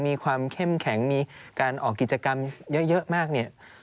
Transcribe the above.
มีความเข้มแข็งมีการออกกิจกรรมเยอะมากเนี่ย